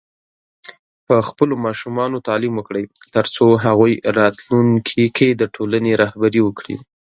په خپلو ماشومانو تعليم وکړئ، ترڅو هغوی راتلونکي کې د ټولنې رهبري وکړي.